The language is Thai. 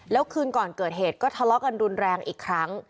แล้วคืนก่อนเกิดเหตุก็ทะเลาะกันรุนแรงอีกครั้ง